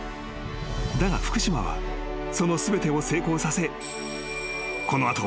［だが福島はその全てを成功させこの後は］